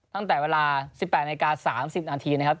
ตั้งแต่เวลา๑๘นาที๓๐นาทีนะครับ